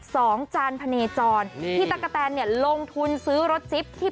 สองจานพาเนจรนี่พี่ตะกะแตนเนี่ยลงทุนซื้อรถจิ๊บที่